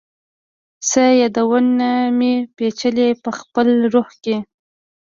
څه یادونه مي، پیچلي پخپل روح کي